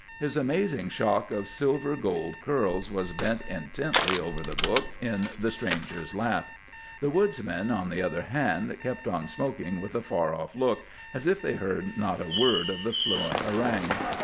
His amazing shock of silver gold curls was bent intently over the book in the stranger's lap. The woodsmen, on the other hand, kept on smoking with a far off look, as if they heard not a word of the fluent harangue.